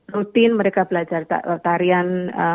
rutin mereka belajar tarian